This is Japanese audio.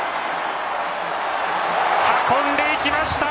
運んでいきました！